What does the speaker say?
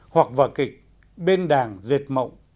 hoặc vở kịch bên đàng diệt mộng